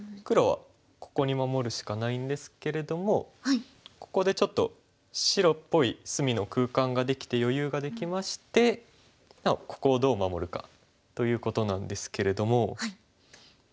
黒はここに守るしかないんですけれどもここでちょっと白っぽい隅の空間ができて余裕ができましてここをどう守るかということなんですけれども。